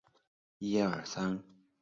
环面就是双摆的位形空间。